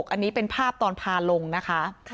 อันนี้เป็นภาพตอนพาลงนะคะ